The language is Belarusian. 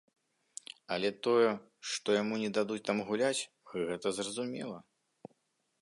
Але тое, што яму не дадуць там гуляць, гэта зразумела.